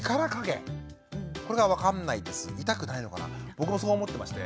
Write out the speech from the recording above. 僕もそう思ってまして。